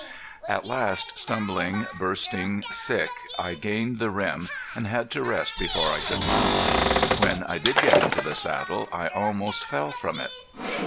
At last, stumbling, bursting, sick, I gained the rim and had to rest before I could mount. When I did get into the saddle I almost fell from it.